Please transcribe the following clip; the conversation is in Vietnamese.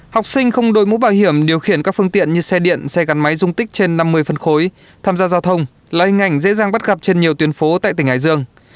học sinh không đội mũ bảo hiểm điều khiển các phương tiện như xe điện xe gắn máy dung tích trên năm mươi phân khối tham gia giao thông là hình ảnh dễ dàng bắt gặp trên nhiều tuyến phố tại tỉnh hải dương